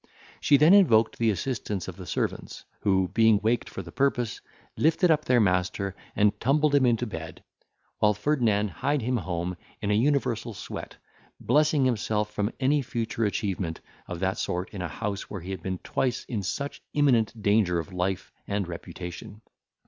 She then invoked the assistance of the servants, who, being waked for the purpose, lifted up their master, and tumbled him into bed, while Ferdinand hied him home in an universal sweat, blessing himself from any future achievement of that sort in a house where he had been twice in such imminent danger of life and reputation.